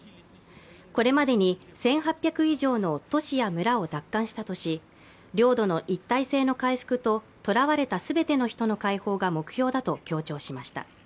これまでに１８００以上の都市や村を奪還したとして領土の一体性の回復と捕らわれた全ての人の解放が目標だと強調しました。